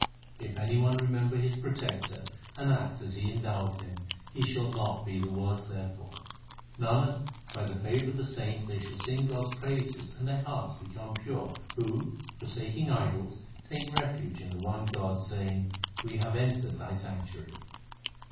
If any one remember his Protector And act as He endoweth him, he shall not be the worse therefor. Nanak, by the favour of the saints they shall sing God s praises and their hearts become pure, Who forsaking idols take refuge in the one God, saying, * We have entered Thy sanctuary.